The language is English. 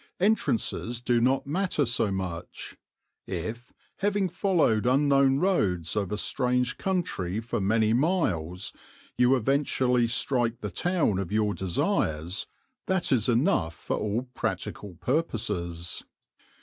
Entrances do not matter so much. If, having followed unknown roads over strange country for many miles, you eventually strike the town of your desires, that is enough for all practical purposes.